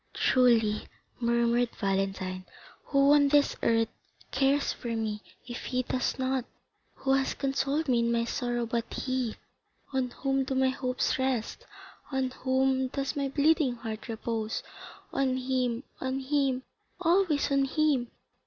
"Truly," murmured Valentine, "who on this earth cares for me, if he does not? Who has consoled me in my sorrow but he? On whom do my hopes rest? On whom does my bleeding heart repose? On him, on him, always on him!